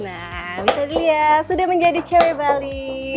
nah bisa dilihat sudah menjadi cewek bali